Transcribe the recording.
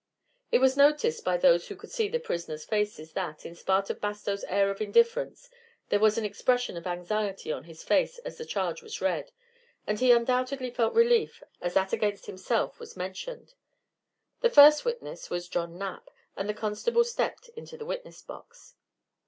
It was noticed by those who could see the prisoners' faces that, in spite of Bastow's air of indifference, there was an expression of anxiety on his face as the charge was read, and he undoubtedly felt relief as that against himself was mentioned. The first witness was John Knapp, and the constable stepped into the witness box.